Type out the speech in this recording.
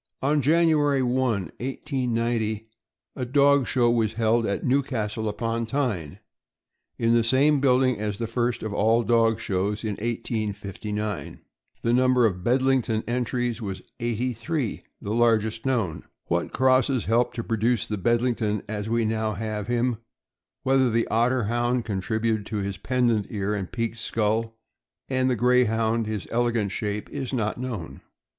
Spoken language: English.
On January 1, 1890, a dog show was held at Newcastle upon Tyne, in the same building as the first of all dog shows, in 1859. The number of Bedlington entries was eighty three — the largest known. What crosses helped to produce the Bedlington as we now have him, whether the Otter Hound contributed his pendent ears and peaked skull, and the Greyhound his ele gant shape, is not known.